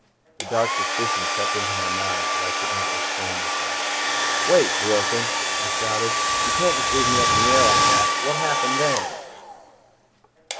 A dark suspicion crept into my mind, but I could not restrain myself. "Wait, Dworken!" I shouted. "You can't just leave me up in the air like that! What happened then?"